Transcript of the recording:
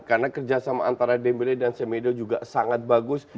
karena kerjasama antara dembele dan semedo juga sangat bagus